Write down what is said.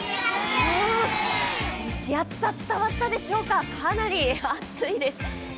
蒸し暑さ伝わったでしょうかかなり蒸し暑いです。